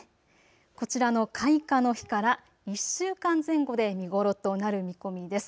こちらの開花の日から１週間前後で見頃となる見込みです。